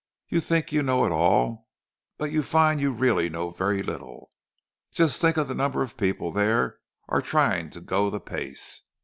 You think you know it all, but you find you really know very little. Just think of the number of people there are trying to go the pace!